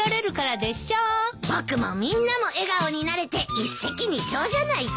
僕もみんなも笑顔になれて一石二鳥じゃないか。